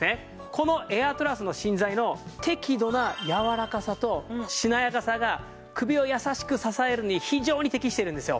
このエアトラスの芯材の適度な柔らかさとしなやかさが首を優しく支えるのに非常に適しているんですよ。